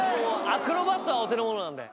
アクロバットはお手のものなんで。